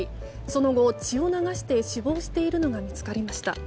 その後、血を流して死亡しているのが見つかりました。